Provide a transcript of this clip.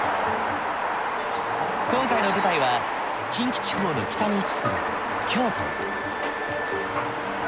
今回の舞台は近畿地方の北に位置する京都。